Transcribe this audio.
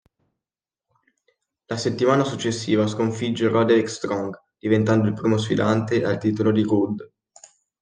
La settimana successiva, sconfigge Roderick Strong diventando il primo sfidante al titolo di Roode.